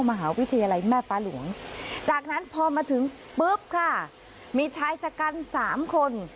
มหาวิทยาลัยแม่ฟ้าหลวงจากนั้นพอมาถึงปุ๊บค่ะมีชายชะกันสามคน